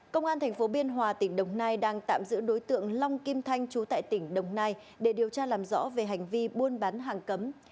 công an tp biên hòa tỉnh đồng nai đang tạm giữ đối tượng long kim thanh trú tại tỉnh đồng nai để điều tra làm rõ về hành vi buôn bán hàng cấm